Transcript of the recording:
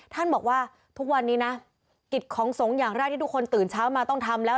ท่านบอกว่าทุกวันนี้นะกิจของสงฆ์อย่างแรกที่ทุกคนตื่นเช้ามาต้องทำแล้ว